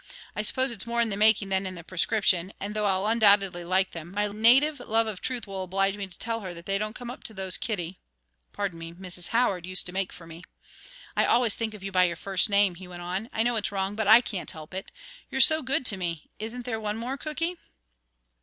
I suppose it's more in the making than in the prescription, and though I'll undoubtedly like 'em, my native love of truth will oblige me to tell her that they don't come up to those Kitty pardon me, Mrs. Howard used to make for me. I always think of you by your first name," he went on. "I know it's wrong, but I can't help it. You're so good to me. Isn't there one more cooky?"